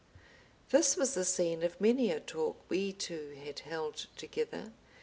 This was the scene of many a talk we two had held together.